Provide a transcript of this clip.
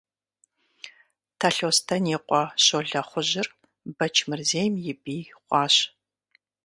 Талъостэн и къуэ Щолэхъужьыр Бэчмырзейм я бий хъуащ.